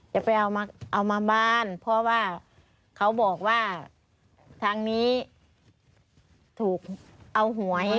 จะไปเอามาบ้านเพราะว่าเขาบอกว่าทางนี้ถูกเอาหวย